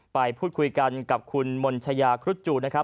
ไปพูดคุยกันกับคุณมนชายาครุฑจูนะครับ